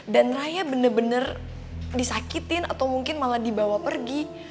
dan raya bener bener disakitin atau mungkin malah dibawa pergi